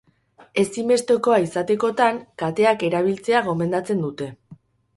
Ezinbestekoa izatekotan, kateak erabiltzea gomendatzen dute.